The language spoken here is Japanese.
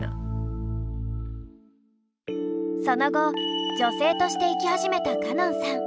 その後女性として生き始めた歌音さん。